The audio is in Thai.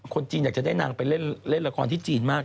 คนจีนอยากจะได้นางไปเล่นละครที่จีนมาก